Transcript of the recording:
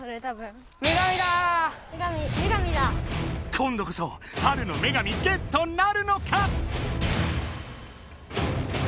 今度こそ春の女神ゲットなるのか？